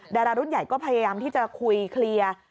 ดารารุ่นใหญ่ก็พยายามที่จะคุยเคลียร์